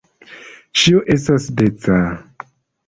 Ĉio estas deca.